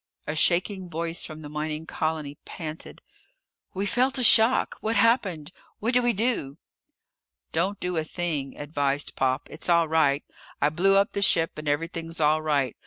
A shaking voice from the mining colony panted: "We felt a shock! What happened? What do we do?" "Don't do a thing," advised Pop. "It's all right. I blew up the ship and everything's all right.